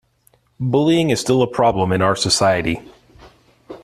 Bullying is still a problem in our society.